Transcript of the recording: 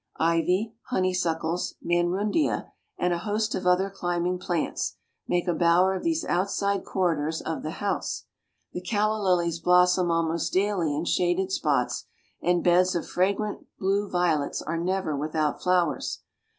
Ivy, honeysuckles, manrundia, and a host of other climbing plants, make a bower of these outside corridors of the house. The calla lilies blossom almost daily in shaded spots; and beds of fragrant blue violets are never without flowers.